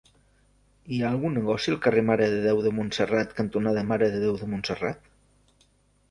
Hi ha algun negoci al carrer Mare de Déu de Montserrat cantonada Mare de Déu de Montserrat?